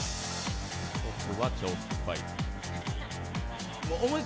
１つは、超酸っぱい。